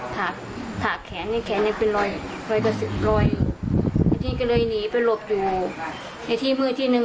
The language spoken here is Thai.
ถากแขนแขนเป็นรอยกระสุนรอยที่ก็เลยหนีไปหลบอยู่ในพื้นที่นึง